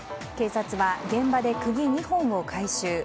警察は現場で釘２本を回収。